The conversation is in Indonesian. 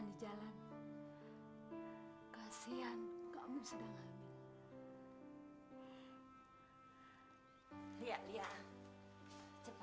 lia lagi main koma temannya pa